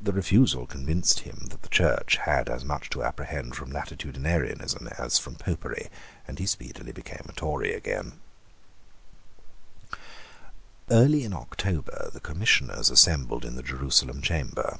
The refusal convinced him that the Church had as much to apprehend from Latitudinarianism as from Popery; and he speedily became a Tory again, Early in October the Commissioners assembled in the Jerusalem Chamber.